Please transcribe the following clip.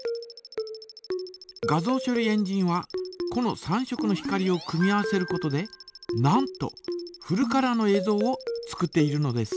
画像処理エンジンはこの３色の光を組み合わせることでなんとフルカラーのえいぞうを作っているのです。